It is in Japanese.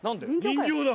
人形だ！